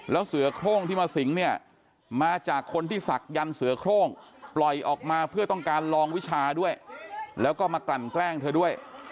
แล้วเสือโครงที่มาสิงเนี่ยมาจากคนที่ศักดิ์เสือโครงปล่อยออกมาเพื่อต้องการลองวิชาด้วยแล้วก็มากลั่นแกล้งเธอด้วย